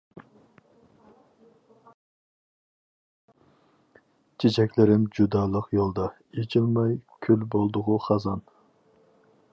چېچەكلىرىم جۇدالىق يولدا، ئېچىلماي كۈل بولدىغۇ خازان.